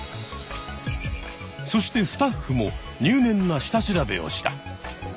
そしてスタッフも入念な下調べをした。